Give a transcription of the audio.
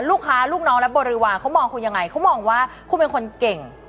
ลูกน้องและบริวารเขามองคุณยังไงเขามองว่าคุณเป็นคนเก่ง